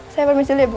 saya permisi liat bu